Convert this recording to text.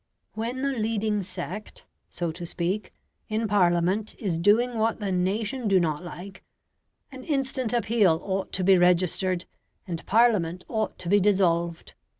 When the leading sect (so to speak) in Parliament is doing what the nation do not like, an instant appeal ought to be registered and Parliament ought to be dissolved.